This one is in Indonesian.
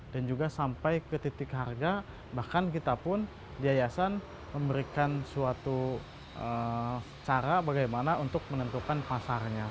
dan juga sampai ke titik harga bahkan kita pun diayasan memberikan suatu cara bagaimana untuk menentukan pasarnya